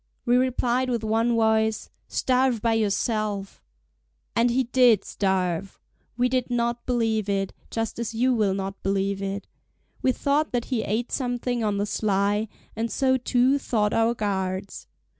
We replied with one voice: "Starve by yourself!" And he did starve! We did not believe it, just as you will not believe it: we thought that he ate something on the sly, and so too thought our guards.